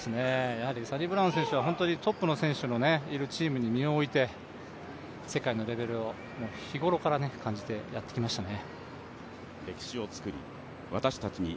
サニブラウン選手はトップの選手のいるチームに身を置いて、世界のレベルを日頃から感じてやってきましたね。